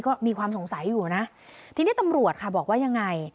ก็มีความสงสัยอยู่นะทีนี้ตำรวจค่ะบอกว่ายังไง